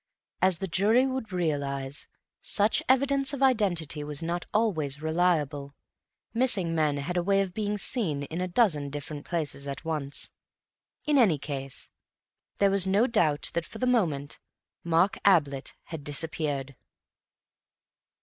As the jury would realize, such evidence of identity was not always reliable. Missing men had a way of being seen in a dozen different places at once. In any case, there was no doubt that for the moment Mark Ablett had disappeared.